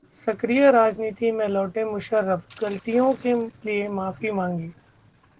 सक्रिय राजनीति में लौटे मुशर्रफ, गलतियों के लिए माफी मांगी